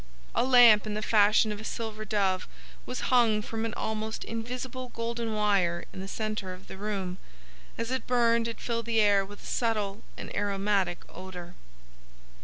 A lamp in the fashion of a silver dove was hung from an almost invisible golden wire in the centre of the room. As it burned it filled the air with a subtle and aromatic odour.